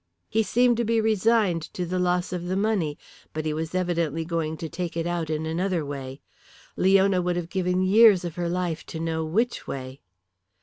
He seemed to be resigned to the loss of the money, but he was evidently going to take it out in another way. Leona would have given years of her life to know which way.